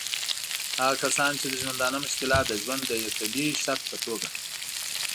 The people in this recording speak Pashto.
هغه کسان چې د ژوندانه مشکلات د ژوند د یوه طبعي شرط په توګه